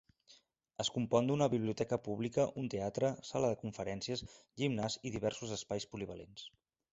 Es compon d'una biblioteca pública, un teatre, sala de conferències, gimnàs i diversos espais polivalents.